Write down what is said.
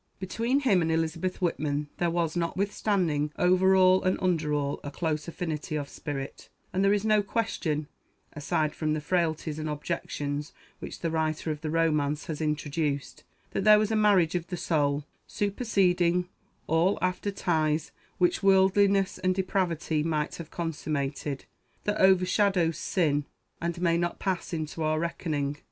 Between him and Elizabeth Whitman there was, notwithstanding, over all and under all, a close affinity of spirit; and there is no question, aside from the frailties and objections which the writer of the romance has introduced, that there was a marriage of the soul, superseding all after ties which worldliness and depravity might have consummated, that overshadows sin, and may not pass into our reckoning.